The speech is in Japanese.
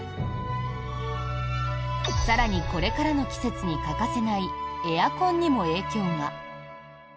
更にこれからの季節に欠かせないエアコンにも影響が。